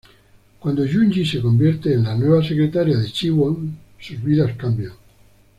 Cuando Yoon-yi se convierte en la nueva secretaria de Chi-won, sus vidas cambian.